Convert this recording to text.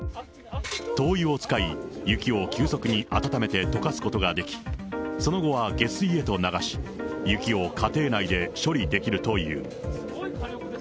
灯油を使い雪を急速に温めてとかすことができ、そのごは下水へと流し、雪を家庭内で処理できるという。